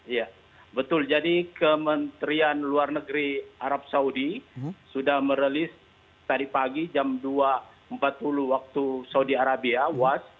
iya betul jadi kementerian luar negeri arab saudi sudah merilis tadi pagi jam dua empat puluh waktu saudi arabia was